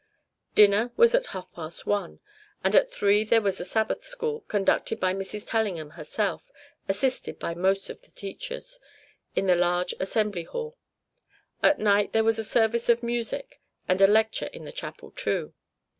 Dinner was at half past one, and at three there was a Sabbath School, conducted by Mrs. Tellingham herself, assisted by most of the teachers, in the large assembly hall. At night there was a service of music and a lecture in the chapel, too.